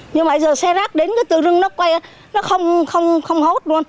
nhưng mà bây giờ xe rác đến cái tựa rưng nó quay nó không hốt luôn